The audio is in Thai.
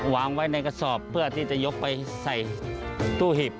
วางไว้ในกระสอบเพื่อที่จะยกไปใส่ตู้หีบ